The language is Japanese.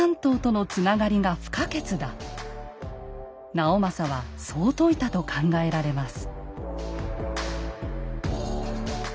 直政はそう説いたと考えられます。